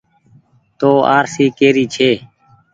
تو آرسي ڪي ري ڇي۔